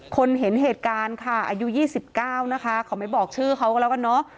คนเห็นเหตุการณ์ค่ะอายุ๒๙นะคะขอไม่บอกชื่อเขาก็แล้วกันเนอะ